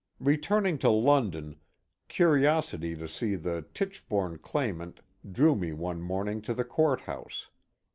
Returning to London, curiosity to see the ^^Tichborne claimant " drew me one morning to the court house.